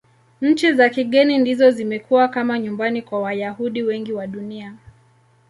Nchi za kigeni ndizo zimekuwa kama nyumbani kwa Wayahudi wengi wa Dunia.